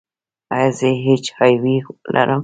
ایا زه ایچ آی وي لرم؟